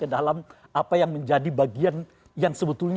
dalam apa yang menjadi bagian yang sebetulnya